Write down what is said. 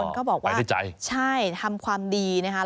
บางคนก็บอกว่าใช่ทำความดีนะครับ